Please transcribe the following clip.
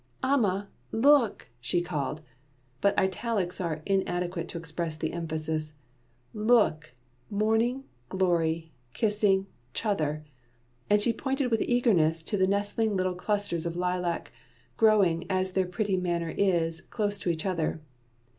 "Amma! Look!" she called; but italics are inadequate to express the emphasis. "LOOK, Morning glory kissing 'chother," and she pointed with eagerness to the nestling little clusters of lilac, growing, as their pretty manner is, close to each other.